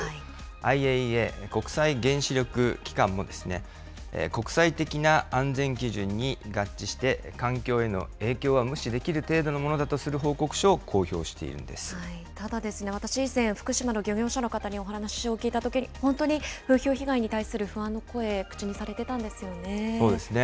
ＩＡＥＡ・国際原子力機関も、国際的な安全基準に合致して、環境への影響は無視できるものだとする報告書を公表しているんでただ、私、以前、福島の漁業者の方にお話を聞いたときに、本当に風評被害に対する不安の声、そうですね。